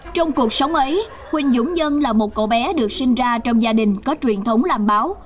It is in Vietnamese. trong cuộc sống ấy huỳnh dũng nhân là một cậu bé được sinh ra trong gia đình có truyền thống làm báo